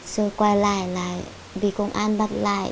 rồi quay lại là vì công an bắt lại